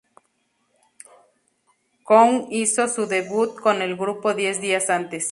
Jo Kwon hizo su debut con el grupo diez días antes.